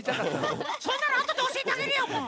そんなのあとでおしえてあげるよもう！